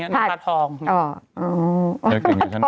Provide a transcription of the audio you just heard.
เติมชื่อใครก็ได้ตาทองจะมาเก่งกับฉันนะน้องตาทอง